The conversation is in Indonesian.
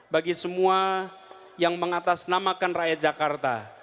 bagi semua yang mengatasnamakan rakyat jakarta